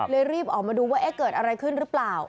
รีบออกมาดูว่าเอ๊ะเกิดอะไรขึ้นหรือเปล่า